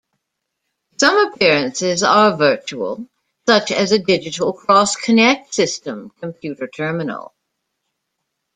Some appearances are virtual, such as a Digital cross connect system computer terminal.